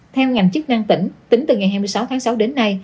theo ngành chức năng tỉnh tính từ ngày hai mươi sáu tháng sáu đến nay